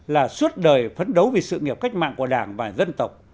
là suốt đời phấn đấu vì sự nghiệp cách mạng của đảng và dân tộc